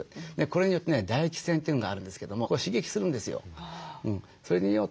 これによってね唾液腺というのがあるんですけどもそこを刺激するんですよ。